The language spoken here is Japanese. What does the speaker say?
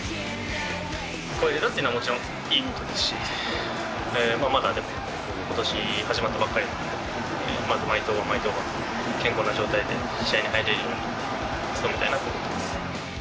超えられたというのは、もちろんいいことですし、まだでも、ことし始まったばっかりなのでまず毎登板毎登板、健康な状態で試合に入れるように、努めたいなと思ってます。